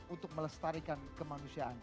untuk melestarikan kemanusiaan